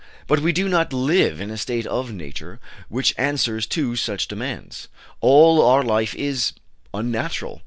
But we do not live in a state of Nature which answers to such demands; all our life is "unnatural."